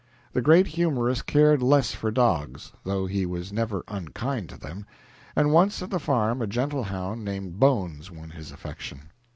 The great humorist cared less for dogs, though he was never unkind to them, and once at the farm a gentle hound named Bones won his affection.